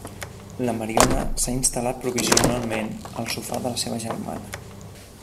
La Mariona s'ha instal·lat provisionalment al sofà de la seva germana.